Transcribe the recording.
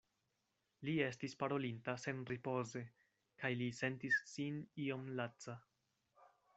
Li estis parolinta senripoze, kaj li sentis sin iom laca.